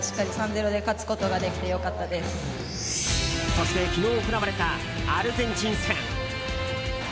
そして昨日行われたアルゼンチン戦。